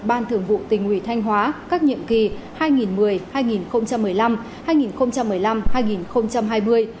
ban thường vụ tỉnh ủy thanh hóa các nhiệm kỳ hai nghìn một mươi hai nghìn một mươi năm hai nghìn một mươi năm hai nghìn hai mươi